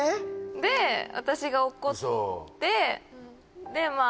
で私が怒ってでまあ